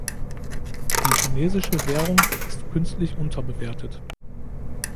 Die chinesische Währung ist künstlich unterbewertet.